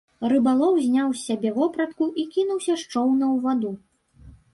Рыбалоў зняў з сябе вопратку і кінуўся з чоўна ў ваду.